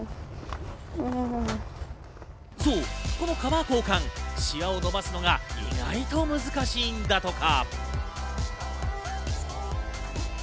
そう、このカバー交換、シワを伸ばすのが意外と難しいんだとか。